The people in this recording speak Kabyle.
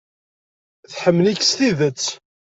Tḥemmel-ik s tidet.